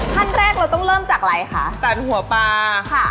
ขั้นแรกเราต้องเริ่มจากอะไรคะสันหัวปลาค่ะ